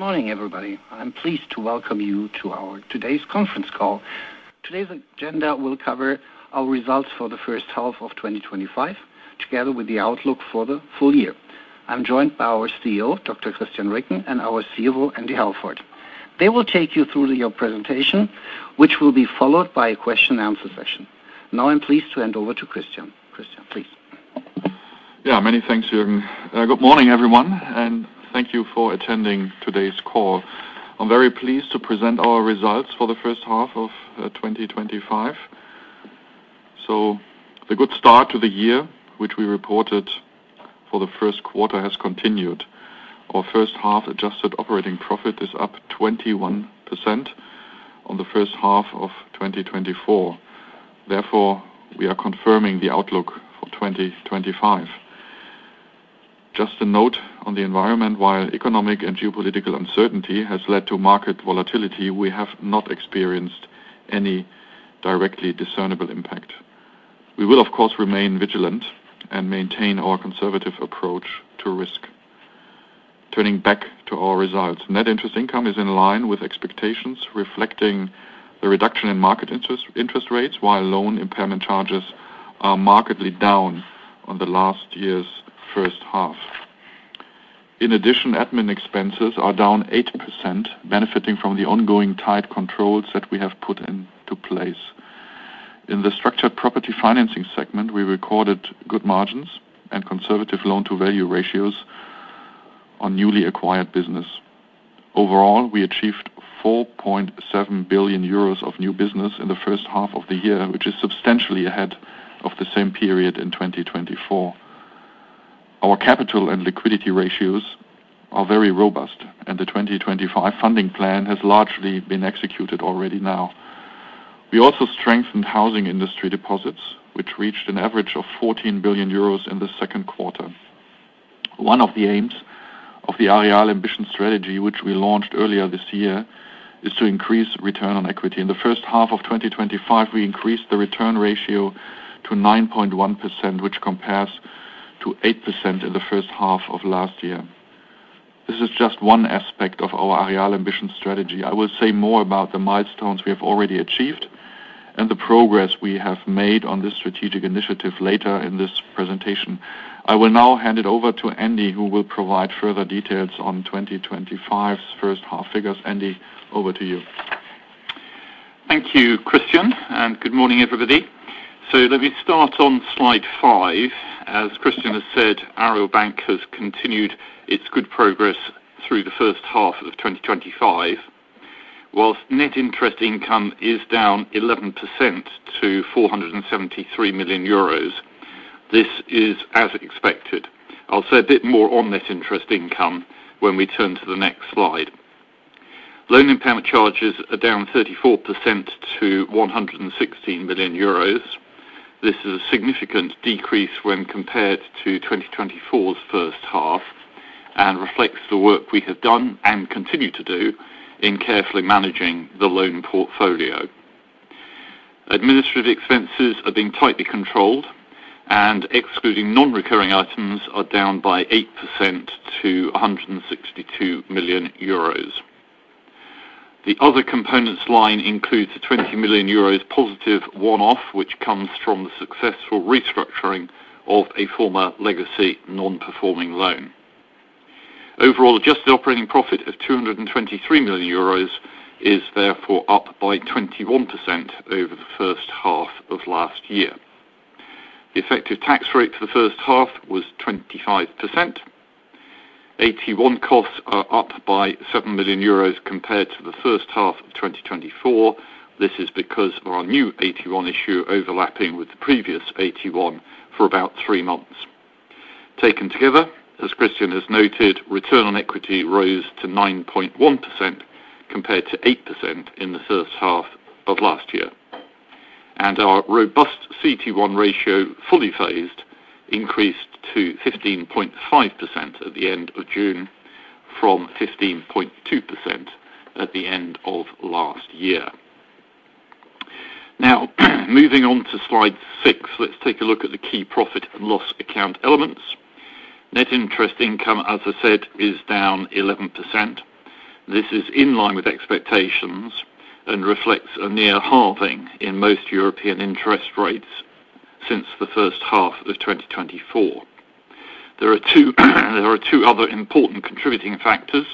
Good morning, everybody. I'm pleased to welcome you to our today's conference call. Today's agenda will cover our results for the first half of 2025, together with the outlook for the full year. I'm joined by our CEO, Dr. Christian Ricken, and our CFO, Andy Halford. They will take you through your presentation, which will be followed by a question-and-answer session. Now, I'm pleased to hand over to Christian. Christian, please. Yeah, many thanks, Jürgen. Good morning, everyone, and thank you for attending today's call. I'm very pleased to present our results for the first half of 2025. The good start to the year, which we reported for the first quarter, has continued. Our first half adjusted operating profit is up 21% on the first half of 2024. Therefore, we are confirming the outlook for 2025. Just a note on the environment. While economic and geopolitical uncertainty has led to market volatility, we have not experienced any directly discernible impact. We will, of course, remain vigilant and maintain our conservative approach to risk. Turning back to our results, net interest income is in line with expectations, reflecting the reduction in market interest rates, while loan impairment charges are markedly down on last year's first half. In addition, administrative expenses are down 8%, benefiting from the ongoing tight controls that we have put into place. In the Structured Property Financing segment, we recorded good margins and conservative loan-to-value ratios on newly acquired business. Overall, we achieved 4.7 billion euros of new business in the first half of the year, which is substantially ahead of the same period in 2024. Our capital and liquidity ratios are very robust, and the 2025 funding plan has largely been executed already now. We also strengthened housing industry deposits, which reached an average of 14 billion euros in the second quarter. One of the aims of the Aareal AMBITION strategy, which we launched earlier this year, is to increase return on equity. In the first half of 2025, we increased the return ratio to 9.1%, which compares to 8% in the first half of last year. This is just one aspect of our Aareal AMBITION strategy. I will say more about the milestones we have already achieved and the progress we have made on this strategic initiative later in this presentation. I will now hand it over to Andy, who will provide further details on 2025's first half figures. Andy, over to you. Thank you, Christian, and good morning, everybody. Let me start on slide five. As Christian has said, Aareal Bank has continued its good progress through the first half of 2025. Whilst net interest income is down 11% to 473 million euros, this is as expected. I'll say a bit more on net interest income when we turn to the next slide. Loan impairment charges are down 34% to 16 million euros. This is a significant decrease when compared to 2024's first half and reflects the work we have done and continue to do in carefully managing the loan portfolio. Administrative expenses have been tightly controlled, and excluding non-recurring items, are down by 8% to 162 million euros. The other components line includes a 20 million euros positive one-off, which comes from the successful restructuring of a former legacy non-performing loan. Overall, adjusted operating profit of EUR 223 million is therefore up by 21% over the first half of last year. The effective tax rate for the first half was 25%. AT1 costs are up by 7 million euros compared to the first half of 2024. This is because of our new AT1 issue overlapping with the previous AT1 for about three months. Taken together, as Christian has noted, return on equity rose to 9.1% compared to 8% in the first half of last year. Our robust CET1 ratio, fully phased, increased to 15.5% at the end of June from 15.2% at the end of last year. Now, moving on to slide six, let's take a look at the key profit and loss account elements. Net interest income, as I said, is down 11%. This is in line with expectations and reflects a near halving in most European interest rates since the first half of 2024. There are two other important contributing factors,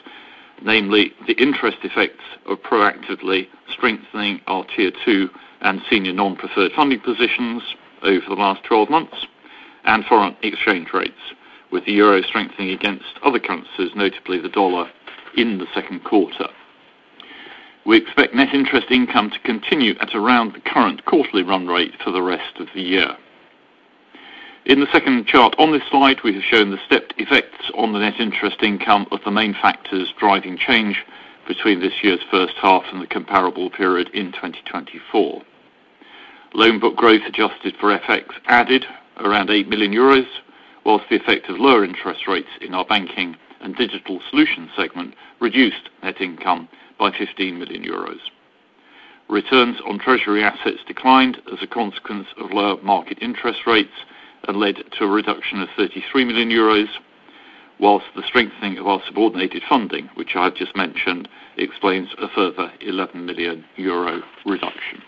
namely the interest effects of proactively strengthening our Tier 2 and senior non-preferred funding positions over the last 12 months and foreign exchange rates, with the euro strengthening against other currencies, notably the dollar, in the second quarter. We expect net interest income to continue at around the current quarterly run rate for the rest of the year. In the second chart on this slide, we have shown the stepped effects on the net interest income of the main factors driving change between this year's first half and the comparable period in 2024. Loan book growth adjusted for FX added around 8 million euros, whilst the effect of lower interest rates in our banking and digital solutions segment reduced net income by 15 million euros. Returns on treasury assets declined as a consequence of lower market interest rates and led to a reduction of 33 million euros, whilst the strengthening of our subordinated funding, which I just mentioned, explains a further 11 million euro reduction.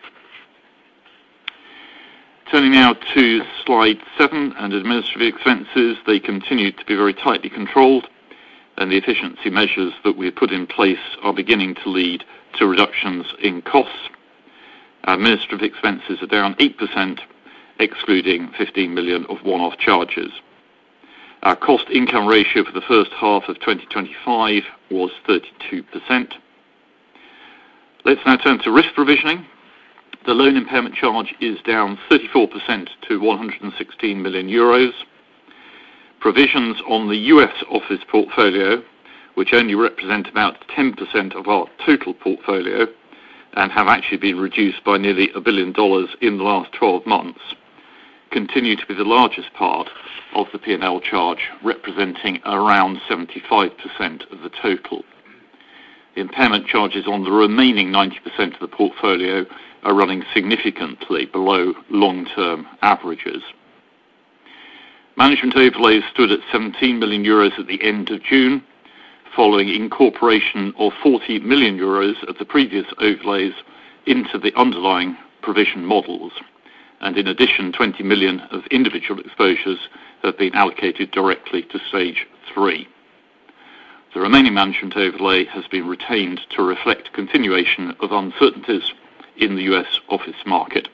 Turning now to slide seven and administrative expenses, they continue to be very tightly controlled, and the efficiency measures that we have put in place are beginning to lead to reductions in costs. Our administrative expenses are down 8%, excluding 15 million of one-off charges. Our cost-to-income ratio for the first half of 2025 was 32%. Let's now turn to risk provisioning. The loan impairment charge is down 34% to 116 million euros. Provisions on the U.S. office portfolio, which only represent about 10% of our total portfolio and have actually been reduced by nearly $1 billion in the last 12 months, continue to be the largest part of the P&L charge, representing around 75% of the total. Impairment charges on the remaining 90% of the portfolio are running significantly below long-term averages. Management overlays stood at 17 million euros at the end of June, following incorporation of 40 million euros of the previous overlays into the underlying provision models. In addition, 20 million of individual exposures have been allocated directly to stage three. The remaining management overlay has been retained to reflect continuation of uncertainties in the U.S. office market.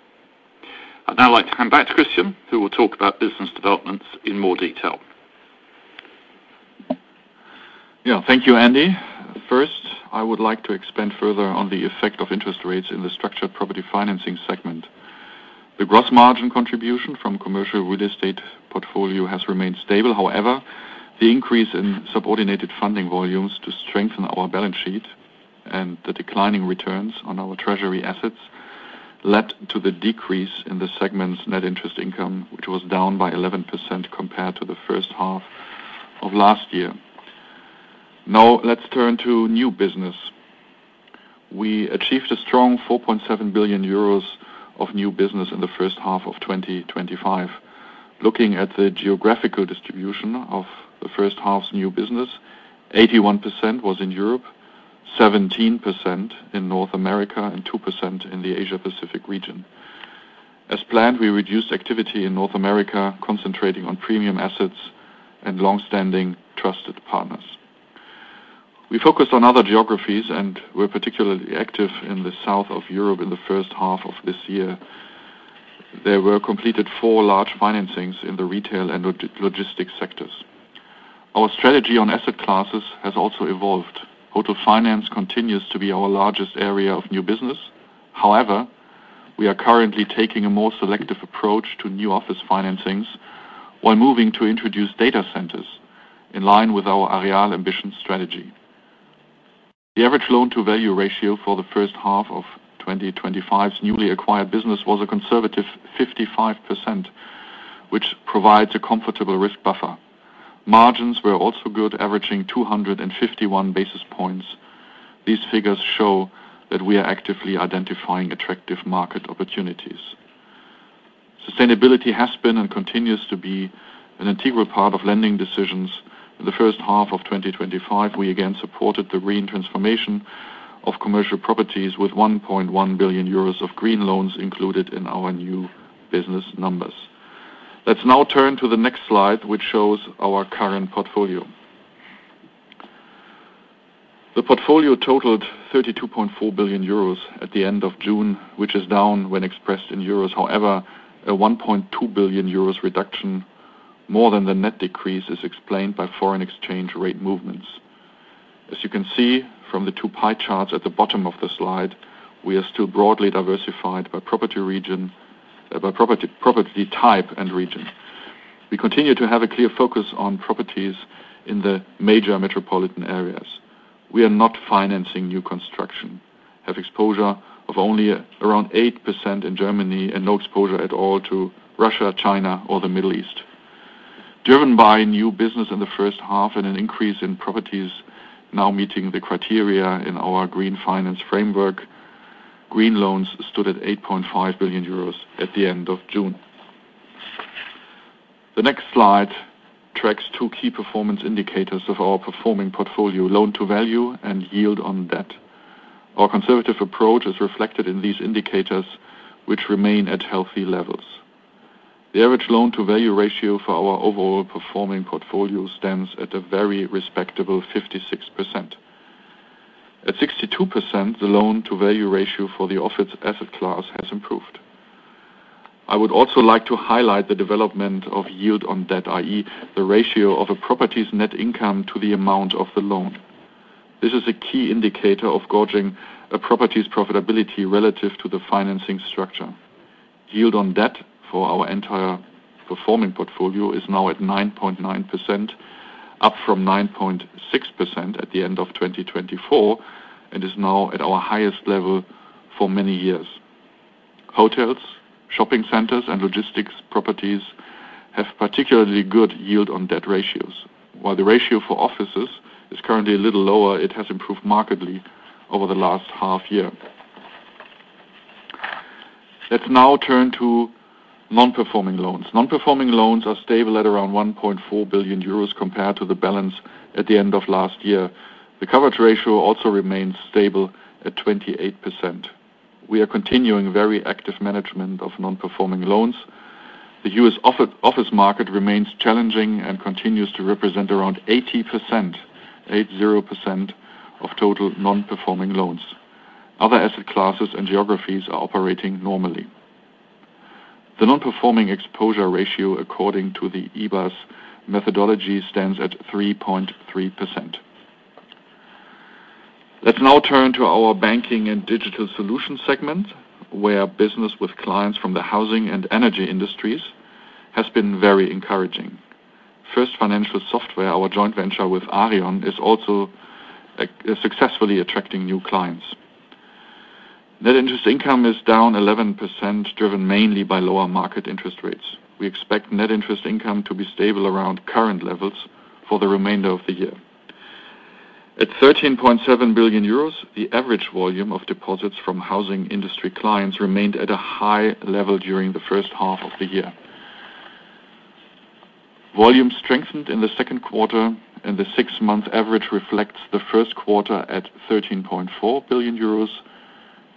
I'd now like to hand back to Christian, who will talk about business developments in more detail. Yeah, thank you, Andy. First, I would like to expand further on the effect of interest rates in the Structured Property Financing segment. The gross margin contribution from the commercial real estate portfolio has remained stable. However, the increase in subordinated funding volumes to strengthen our balance sheet and the declining returns on our treasury assets led to the decrease in the segment's net interest income, which was down by 11% compared to the first half of last year. Now, let's turn to new business. We achieved a strong 4.7 billion euros of new business in the first half of 2025. Looking at the geographical distribution of the first half's new business, 81% was in Europe, 17% in North America, and 2% in the Asia-Pacific region. As planned, we reduced activity in North America, concentrating on premium assets and long-standing trusted partners. We focused on other geographies, and we're particularly active in Southern Europe in the first half of this year. There were completed four large financings in the retail and logistics sectors. Our strategy on asset classes has also evolved. Hotel sector financing continues to be our largest area of new business. However, we are currently taking a more selective approach to new office financings while moving to introduce data centers in line with our Aareal AMBITION strategy. The average loan-to-value ratio for the first half of 2025's newly acquired business was a conservative 55%, which provides a comfortable risk buffer. Margins were also good, averaging 251 basis points. These figures show that we are actively identifying attractive market opportunities. Sustainability has been and continues to be an integral part of lending decisions. In the first half of 2025, we again supported the green transformation of commercial properties with 1.1 billion euros of green loans included in our new business numbers. Let's now turn to the next slide, which shows our current portfolio. The portfolio totaled 32.4 billion euros at the end of June, which is down when expressed in euros. However, a 1.2 billion euros reduction, more than the net decrease, is explained by foreign exchange rate movements. As you can see from the two pie charts at the bottom of the slide, we are still broadly diversified by property type and region. We continue to have a clear focus on properties in the major metropolitan areas. We are not financing new construction, have exposure of only around 8% in Germany, and no exposure at all to Russia, China, or the Middle East. Driven by new business in the first half and an increase in properties now meeting the criteria in our green finance framework, green loans stood at 8.5 billion euros at the end of June. The next slide tracks two key performance indicators of our performing portfolio. Loan-to-value and yield on debt. Our conservative approach is reflected in these indicators, which remain at healthy levels. The average loan-to-value ratio for our overall performing portfolio stands at a very respectable 56%. At 62%, the loan-to-value ratio for the office asset class has improved. I would also like to highlight the development of yield on debt, i.e., the ratio of a property's net income to the amount of the loan. This is a key indicator of gauging a property's profitability relative to the financing structure. Yield on debt for our entire performing portfolio is now at 9.9%, up from 9.6% at the end of 2024, and is now at our highest level for many years. Hotels, shopping centers, and logistics properties have particularly good yield on debt ratios. While the ratio for offices is currently a little lower, it has improved markedly over the last half year. Let's now turn to non-performing loans. Non-performing loans are stable at around 1.4 billion euros compared to the balance at the end of last year. The coverage ratio also remains stable at 28%. We are continuing very active management of non-performing loans. The U.S. office market remains challenging and continues to represent around 80% of total non-performing loans. Other asset classes and geographies are operating normally. The non-performing exposure ratio, according to the EBA's methodology, stands at 3.3%. Let's now turn to our banking and digital solutions segment, where business with clients from the housing and energy industries has been very encouraging. First Financial Software, our joint venture with Aareon, is also successfully attracting new clients. Net interest income is down 11%, driven mainly by lower market interest rates. We expect net interest income to be stable around current levels for the remainder of the year. At 13.7 billion euros, the average volume of deposits from housing industry clients remained at a high level during the first half of the year. Volume strengthened in the second quarter, and the six-month average reflects the first quarter at 13.4 billion euros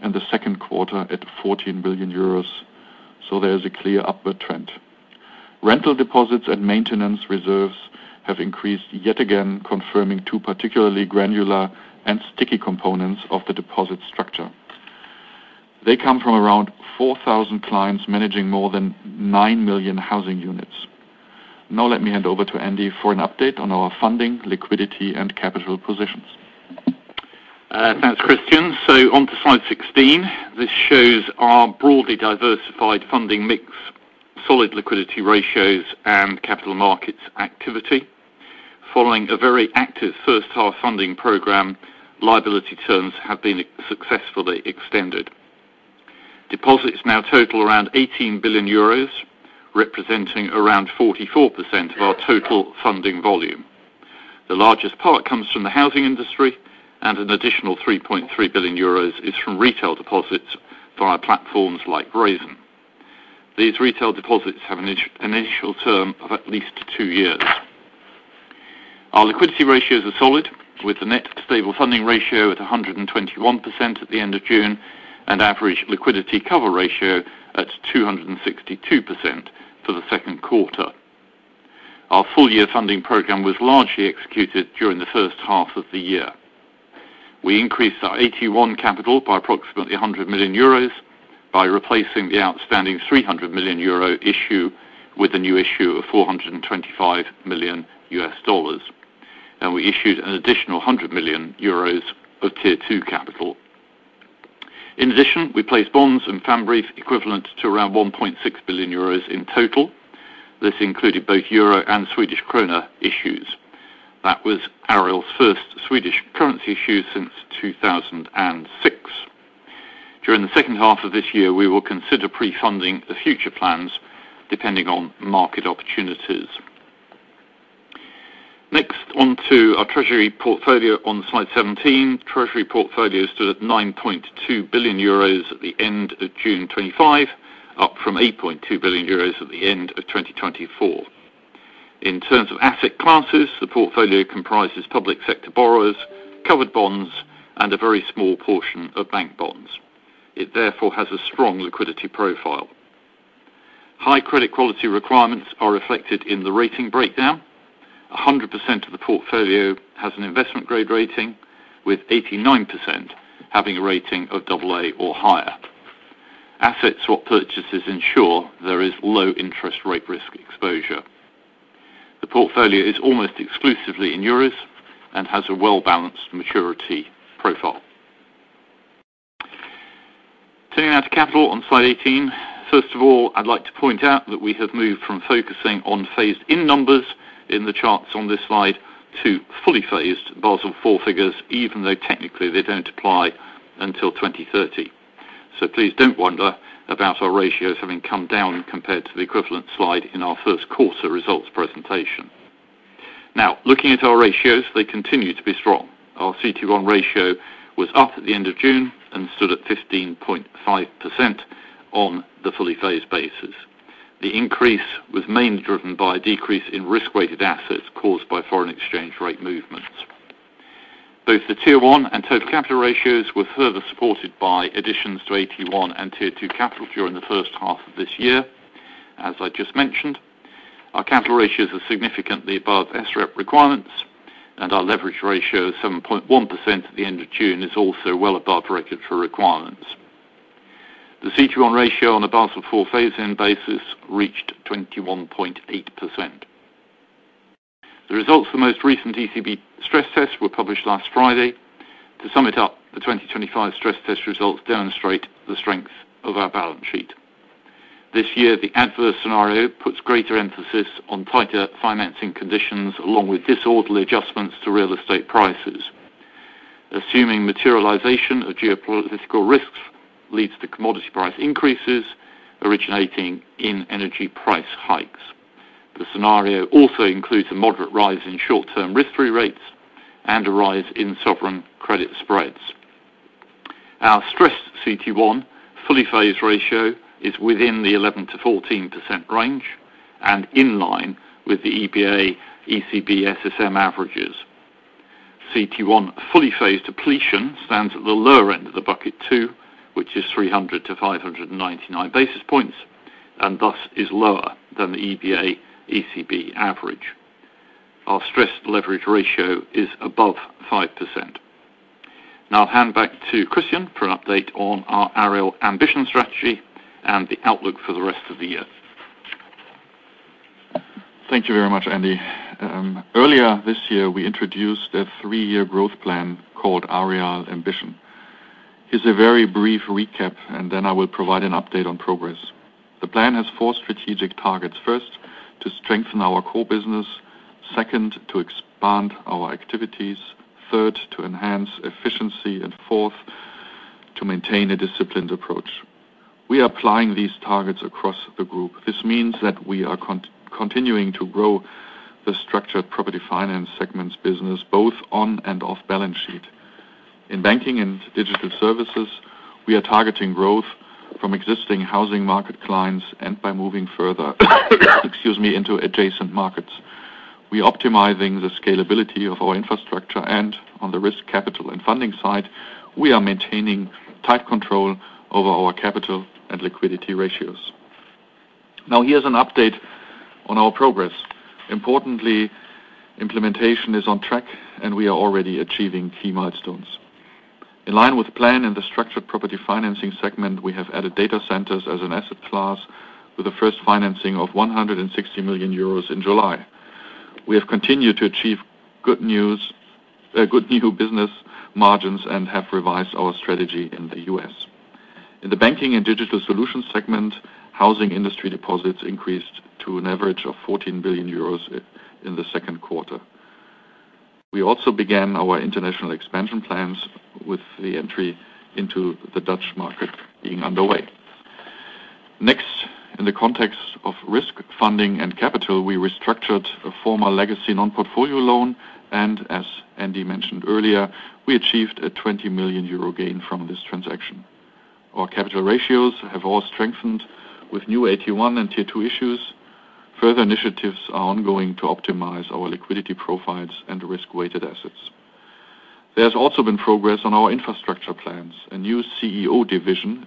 and the second quarter at 14 billion euros. There is a clear upward trend. Rental deposits and maintenance reserves have increased yet again, confirming two particularly granular and sticky components of the deposit structure. They come from around 4,000 clients managing more than 9 million housing units. Now, let me hand over to Andy for an update on our funding, liquidity, and capital positions. Thanks, Christian. On to slide 16, this shows our broadly diversified funding mix, solid liquidity ratios, and capital markets activity. Following a very active first-half funding program, liability terms have been successfully extended. Deposits now total around 18 billion euros, representing around 44% of our total funding volume. The largest part comes from the housing industry, and an additional 3.3 billion euros is from retail deposits via platforms like Raisin. These retail deposits have an initial term of at least two years. Our liquidity ratios are solid, with the net stable funding ratio at 121% at the end of June and average liquidity cover ratio at 262% for the second quarter. Our full-year funding program was largely executed during the first half of the year. We increased our AT1 capital by approximately 100 million euros by replacing the outstanding 300 million euro issue with a new issue of $425 million, and we issued an additional 100 million euros of Tier 2 capital. In addition, we placed bonds and family equivalent to around 1.6 billion euros in total. This included both euro and Swedish krona issues. That was Aareal first Swedish currency issue since 2006. During the second half of this year, we will consider pre-funding the future plans depending on market opportunities. Next, on to our treasury portfolio on slide 17. Treasury portfolio stood at 9.2 billion euros at the end of June 2025, up from 8.2 billion euros at the end of 2024. In terms of asset classes, the portfolio comprises public sector borrowers, covered bonds, and a very small portion of bank bonds. It therefore has a strong liquidity profile. High credit quality requirements are reflected in the rating breakdown. 100% of the portfolio has an investment-grade rating, with 89% having a rating of AA or higher. Asset swap purchases ensure there is low interest rate risk exposure. The portfolio is almost exclusively in euros and has a well-balanced maturity profile. Turning now to capital on slide 18, first of all, I'd like to point out that we have moved from focusing on phased-in numbers in the charts on this slide to fully phased Basel IV figures, even though technically they don't apply until 2030. Please don't wonder about our ratios having come down compared to the equivalent slide in our first quarter results presentation. Now, looking at our ratios, they continue to be strong. Our CET1 ratio was up at the end of June and stood at 15.5% on the fully phased basis. The increase was mainly driven by a decrease in risk-weighted assets caused by foreign exchange rate movements. Both the Tier 1 and Total Capital ratios were further supported by additions to AT1 and Tier 2 capital during the first half of this year. As I just mentioned, our capital ratios are significantly above SREP requirements, and our leverage ratio of 7.1% at the end of June is also well above regulatory requirements. The CET1 ratio on a Basel IV phased-in basis reached 21.8%. The results of the most recent ECB stress test were published last Friday. To sum it up, the 2025 stress test results demonstrate the strength of our balance sheet. This year, the adverse scenario puts greater emphasis on tighter financing conditions, along with disorderly adjustments to real estate prices. Assuming materialization of geopolitical risks leads to commodity price increases originating in energy price hikes. The scenario also includes a moderate rise in short-term risk-free rates and a rise in sovereign credit spreads. Our stressed CET1 fully phased ratio is within the 11%-14% range and in line with the EBA, ECB, SSM averages. CET1 fully phased depletion stands at the lower end of the bucket 2, which is 300-599 basis points and thus is lower than the EBA, ECB average. Our stressed leverage ratio is above 5%. Now, I'll hand back to Christian for an update on our Aareal AMBITION strategy and the outlook for the rest of the year. Thank you very much, Andy. Earlier this year, we introduced a three-year growth plan called Aareal AMBITION. Here's a very brief recap, and then I will provide an update on progress. The plan has four strategic targets. First, to strengthen our core business, second, to expand our activities, third, to enhance efficiency, and fourth, to maintain a disciplined approach. We are applying these targets across the group. This means that we are continuing to grow the Structured Property Financing segment's business, both on and off balance sheet. In banking and digital services, we are targeting growth from existing housing market clients and by moving further into adjacent markets. We are optimizing the scalability of our infrastructure, and on the risk capital and funding side, we are maintaining tight control over our capital and liquidity ratios. Now, here's an update on our progress. Importantly, implementation is on track, and we are already achieving key milestones. In line with plan in the Structured Property Financing segment, we have added data centers as an asset class with the first financing of 160 million euros in July. We have continued to achieve good new business margins and have revised our strategy in the U.S. In the Banking and Digital Solutions segment, housing industry deposits increased to an average of 14 billion euros in the second quarter. We also began our international expansion plans with the entry into the Dutch market being underway. Next, in the context of risk funding and capital, we restructured a former legacy non-portfolio loan, and as Andy mentioned earlier, we achieved a 20 million euro gain from this transaction. Our capital ratios have all strengthened with new AT1 and Tier 2 issues. Further initiatives are ongoing to optimize our liquidity profiles and risk-weighted assets. There has also been progress on our infrastructure plans. A new COO division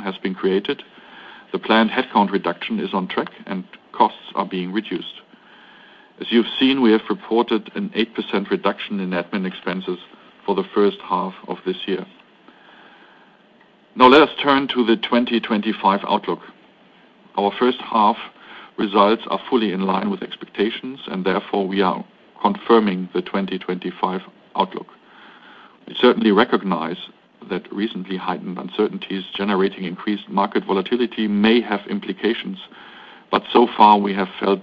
has been created. The planned headcount reduction is on track, and costs are being reduced. As you've seen, we have reported an 8% reduction in administrative expenses for the first half of this year. Now, let us turn to the 2025 outlook. Our first half results are fully in line with expectations, and therefore we are confirming the 2025 outlook. We certainly recognize that recently heightened uncertainties generating increased market volatility may have implications, but so far we have felt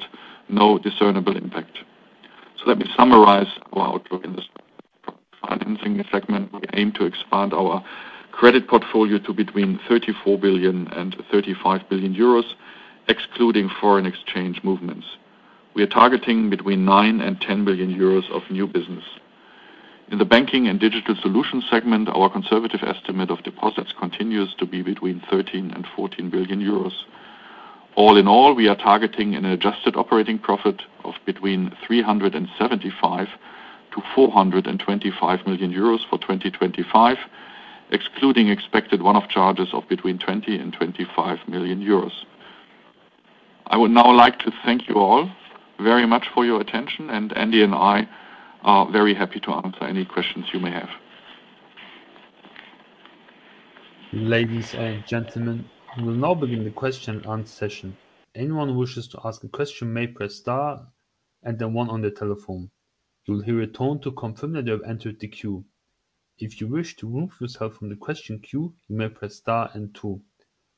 no discernible impact. Let me summarize our outlook in this financing segment. We aim to expand our credit portfolio to between 34 billion and 35 billion euros, excluding foreign exchange movements. We are targeting between 9 million and 10 million euros of new business. In the Banking and Digital Solutions segment, our conservative estimate of deposits continues to be between 13 billion and 14 billion euros. All in all, we are targeting an adjusted operating profit of between 375 million-425 million euros for 2025, excluding expected one-off charges of between 20 million and 25 million euros. I would now like to thank you all very much for your attention, and Andy and I are very happy to answer any questions you may have. Ladies and gentlemen, we will now begin the question-and-answer session. Anyone who wishes to ask a question may press star and then one on their telephone. You will hear a tone to confirm that you have entered the queue. If you wish to remove yourself from the question queue, you may press star and two.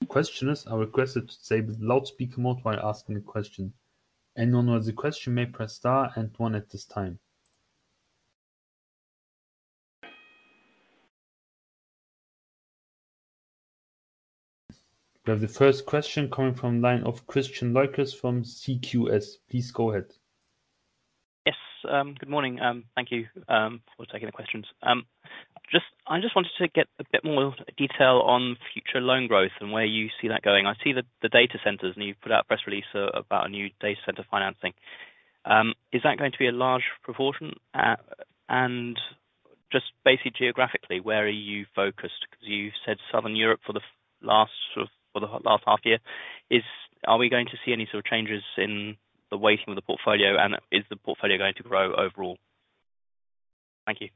Questioners are requested to stay in loudspeaker mode while asking a question. Anyone who has a question may press star and one at this time. We have the first question coming from the line of Christian Leukers from CQS. Please go ahead. Yes, good morning. Thank you for taking the questions. I just wanted to get a bit more detail on future loan growth and where you see that going. I see that the data centers and you put out a press release about a new data center financing. Is that going to be a large proportion? Basically, geographically, where are you focused? You said Southern Europe for the last half year. Are we going to see any sort of changes in the weighting of the portfolio? Is the portfolio going to grow overall? Thank you.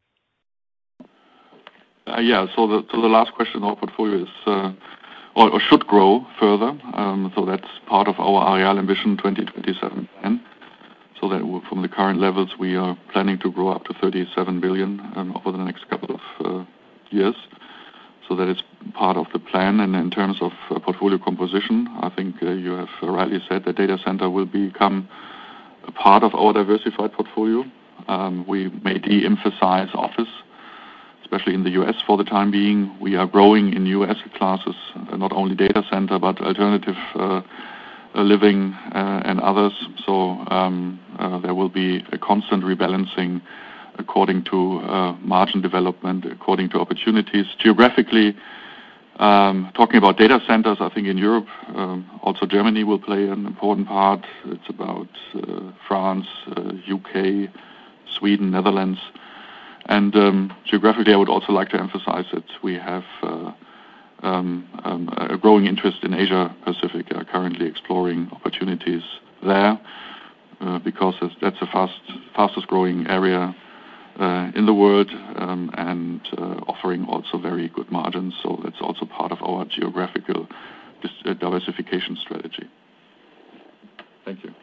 Yeah, the last question of our portfolio is, it should grow further. That's part of our Aareal AMBITION 2027 plan. From the current levels, we are planning to grow up to 37 billion over the next couple of years. That is part of the plan. In terms of portfolio composition, I think you have rightly said that data center will become a part of our diversified portfolio. We may de-emphasize office, especially in the U.S. for the time being. We are growing in new asset classes, not only data center, but alternative living and others. There will be a constant rebalancing according to margin development, according to opportunities. Geographically, talking about data centers, I think in Europe, also Germany will play an important part. It's about France, U.K., Sweden, Netherlands. Geographically, I would also like to emphasize that we have a growing interest in Asia-Pacific. We are currently exploring opportunities there because that's the fastest growing area in the world and offering also very good margins. That's also part of our geographical diversification strategy. Thank you.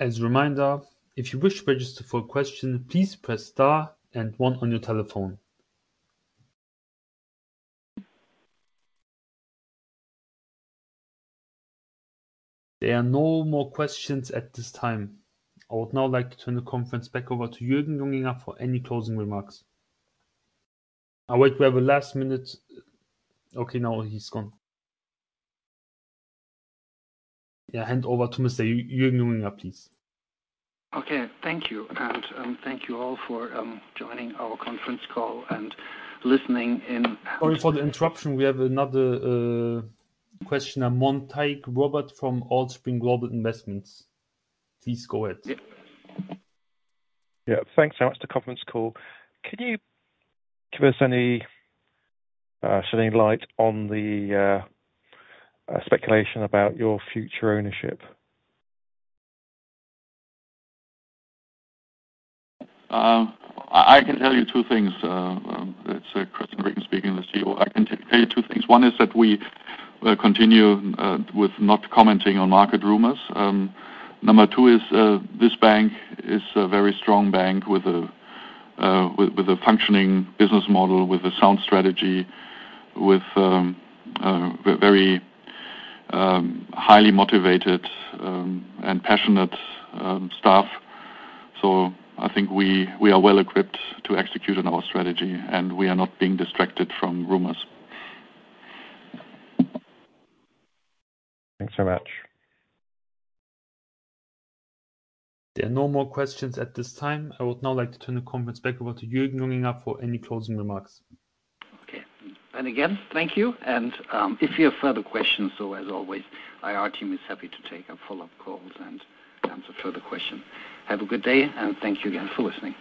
As a reminder, if you wish to register for a question, please press star and one on your telephone. There are no more questions at this time. I would now like to turn the conference back over to Jürgen Junginger for any closing remarks. I'll wait for the last minute. Okay, now he's gone. Hand over to Mr. Jürgen Junginger, please. Thank you. Thank you all for joining our conference call and listening in. Sorry for the interruption. We have another questioner Montague Robert from Allspring Global Investments. Please go ahead. Yeah, thanks so much for the conference call. Can you give us any shining light on the speculation about your future ownership? I can tell you two things. One is that we will continue with not commenting on market rumors. Number two is this bank is a very strong bank with a functioning business model, with a sound strategy, with very highly motivated and passionate staff. I think we are well equipped to execute on our strategy, and we are not being distracted from rumors. Thanks so much. There are no more questions at this time. I would now like to turn the conference back over to Jürgen Junginger for any closing remarks. Okay. Thank you. If you have further questions, as always, the IR team is happy to take on follow-up calls and answer further questions. Have a good day, and thank you again for listening.